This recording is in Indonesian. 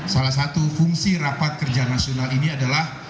salah satu fungsi rapat kerja nasional ini adalah